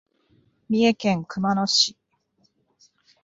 三重県熊野市